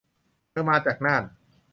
เธอมาจากน่าน